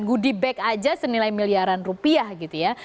goodie bag aja senilai miliaran rupiah gitu ya